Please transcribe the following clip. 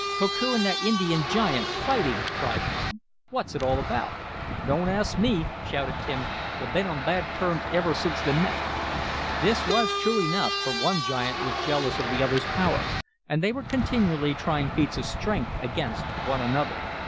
"Koku and that Indian giant fighting!" cried Tom. "What's it all about?" "Don't ask me!" shouted Tim. "They've been on bad terms iver since they met." This was true enough, for one giant was jealous of the other's power, and they were continually trying feats of strength against one another.